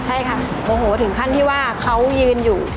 ใช่ค่ะโมโหถึงขั้นที่ว่าเขายืนอยู่